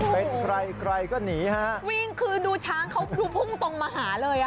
เป็นใครใครก็หนีฮะวิ่งคือดูช้างเขาคือพุ่งตรงมาหาเลยอ่ะ